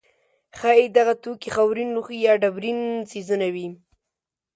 ښایي دغه توکي خاورین لوښي یا ډبرین څیزونه وي.